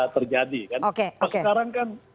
terjadi sekarang kan